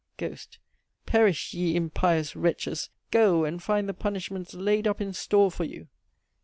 "GHOST. Perish ye impious wretches, go and find the punishments laid up in store for you!